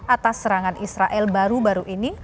atas serangan israel baru baru ini